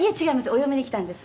お嫁に来たんです」